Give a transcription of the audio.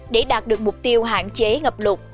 để đạt được mục tiêu hạn chế ngập lụt